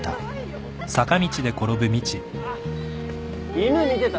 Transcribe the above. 犬見てた？